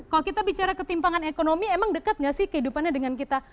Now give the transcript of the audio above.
kalau kita bicara ketimpangan ekonomi emang dekat gak sih kehidupannya dengan kita